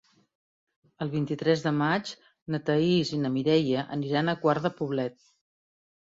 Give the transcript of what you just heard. El vint-i-tres de maig na Thaís i na Mireia aniran a Quart de Poblet.